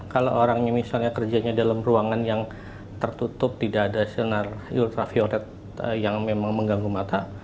kalau orangnya misalnya kerjanya dalam ruangan yang tertutup tidak ada sinar ultraviolet yang memang mengganggu mata